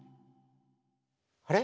あれ？